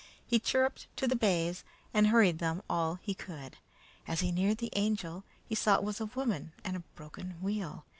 He chirruped to the bays and hurried them all he could. As he neared the Angel, he saw it was a woman and a broken wheel.